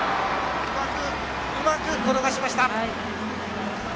うまく転がしました。